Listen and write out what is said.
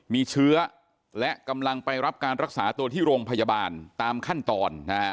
มีเชื้อและกำลังไปรับการรักษาตัวที่โรงพยาบาลตามขั้นตอน